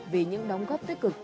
vì những đóng góp tích cực